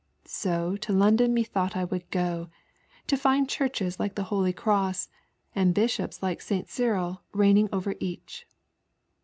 So to Loudon methought T would go, to find churches like the Holy Cross, and bishops like St. Cyril reigning over each.